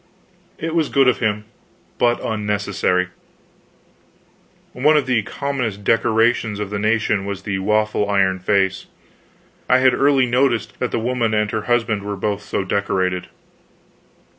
It was good of him, but unnecessary. One of the commonest decorations of the nation was the waffle iron face. I had early noticed that the woman and her husband were both so decorated.